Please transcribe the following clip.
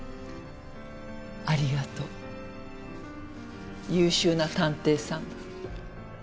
ありがとう優秀な探偵さん。